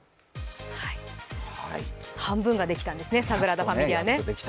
半分ができたんですね、サグラダ・ファミリア。